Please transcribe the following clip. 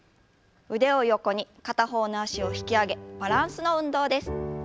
腕を横に片方の脚を引き上げバランスの運動です。